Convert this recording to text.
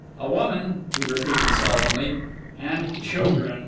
A woman,' he repeated solemnly—'and children.